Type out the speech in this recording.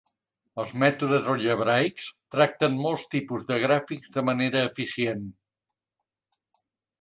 Els mètodes algebraics tracten molts tipus de gràfics de manera eficient.